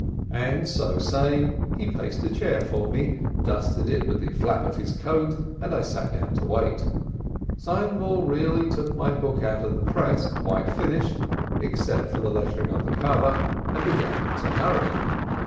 And so saying, he placed a chair for me, dusted it with the flap of his coat, and I sat down to wait. Seinwill really took my book out of the press quite finished except for the lettering on the cover, and began to hurry.